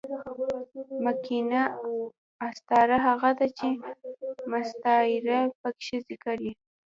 مکنیه استعاره هغه ده، چي مستعارله پکښي ذکر يي.